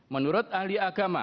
menurut ahli agama